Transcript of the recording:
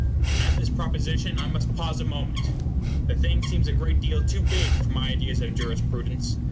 At this proposition I must pause a moment. The thing seems a great deal too big for my ideas of jurisprudence.